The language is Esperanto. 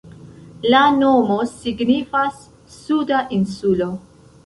La nomo signifas "Suda insulo".